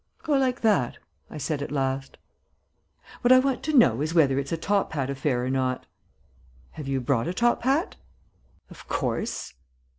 "Go like that," I said at last. "What I want to know is whether it's a top hat affair or not?" "Have you brought a top hat?" "Of course."